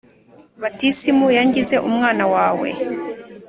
Batisimu yangize umwana wawe